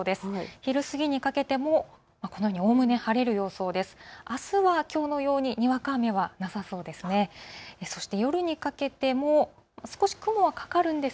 昼過ぎにかけてもおおむね晴れる予想です。